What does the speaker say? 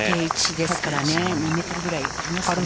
２ｍぐらいありますね。